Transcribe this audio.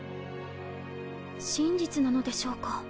真実なのでしょうか？